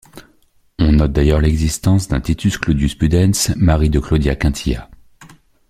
On note d'ailleurs l'existence d'un Titus Claudius Pudens, mari de Claudia Quintilla.